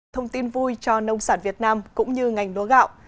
thông tin vui cho nông sản việt nam cũng như ngành lúa gạo